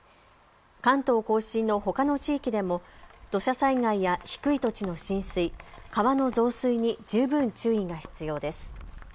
関東甲信のほかの地域でも土砂災害や低い土地の浸水、川の増水に十分注意が必要です。